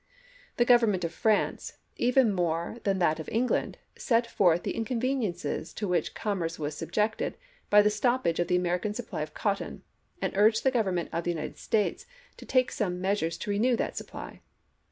The Government of France, even more than that of England, set forth the inconveniences to which commerce was subjected by the stoppage of the American supply of cotton, and urged the Grovern ment of the United States to take some measures to renew that supply.